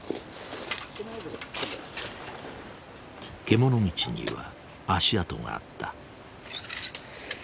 獣道には足跡があった。